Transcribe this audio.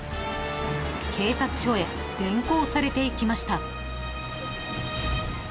［警察署へ連行されていきました］